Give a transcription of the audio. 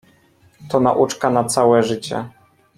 "To nauczka na całe życie."